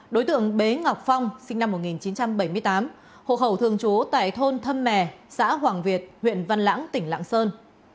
đối tượng bế ngọc phong sinh năm một nghìn chín trăm bảy mươi tám hộ khẩu thường trú tại thôn thâm mè xã hoàng việt huyện văn lãng tỉnh lạng sơn